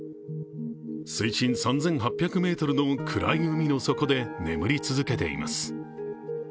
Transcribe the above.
水深３８００ｍの暗い海の底で眠り続けています。